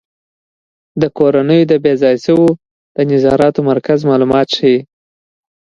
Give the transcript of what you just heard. د کورنیو بې ځایه شویو د نظارت مرکز معلومات ښيي.